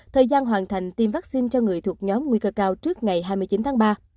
thời gian hoàn thành tiêm vaccine cho người thuộc nhóm nguy cơ cao trước ngày hai mươi chín tháng ba